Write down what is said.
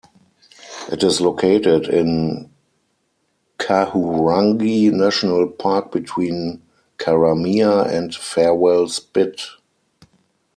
It is located in Kahurangi National Park between Karamea and Farewell Spit.